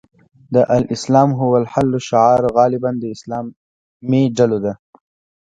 د الاسلام هو الحل شعار غالباً د اسلامي ډلو ده.